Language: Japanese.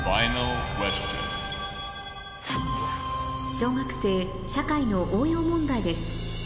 小学生社会の応用問題です